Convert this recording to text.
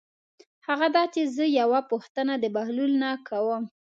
هغه دا چې زه یوه پوښتنه د بهلول نه کوم.